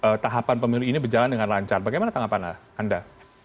apakah tahapan pemilu ini berjalan dengan lancar bagaimana tanggapan anda